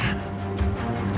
hari ini juga